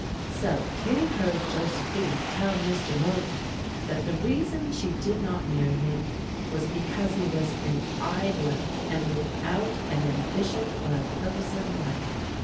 So Kittie heard Josephine tell Mr. Morgan that the reason she did not marry him was because he was an idler and without an ambition or a purpose in life.